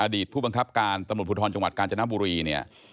ผู้บังคับการตำรวจภูทรจังหวัดกาญจนบุรีเนี่ย